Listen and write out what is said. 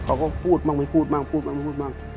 เขาก็พูดบ้างไม่พูดบ้าง